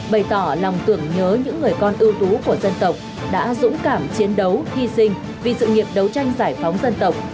bày tỏ lòng tưởng nhớ những người con ưu tú của dân tộc đã dũng cảm chiến đấu hy sinh vì sự nghiệp đấu tranh giải phóng dân tộc